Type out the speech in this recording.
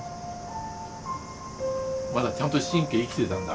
まだちゃんと神経生きてたんだ。